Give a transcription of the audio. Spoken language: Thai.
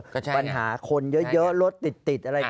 ปัญหาคนเยอะรถติดอะไร